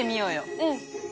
うん！